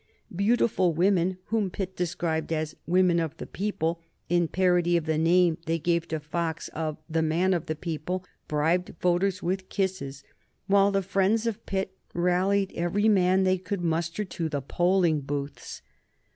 Beautiful women whom Pitt described as "women of the people," in parody of the name they gave to Fox of "the man of the people" bribed voters with kisses, while the friends of Pitt rallied every man they could muster to the polling booths.